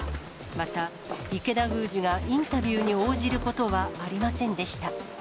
また、池田宮司がインタビューに応じることはありませんでした。